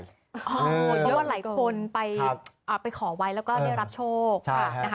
เพราะว่าหลายคนไปขอไว้แล้วก็ได้รับโชคนะคะ